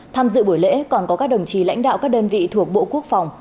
tham dự buổi lễ còn có các đồng chí lãnh đạo các đơn vị thuộc bộ quốc phòng